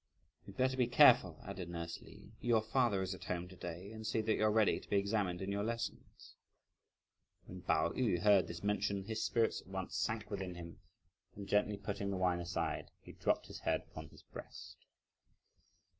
"You'd better be careful," added nurse Li, "your father is at home to day, and see that you're ready to be examined in your lessons." When Pao yü heard this mention, his spirits at once sank within him, and gently putting the wine aside, he dropped his head upon his breast.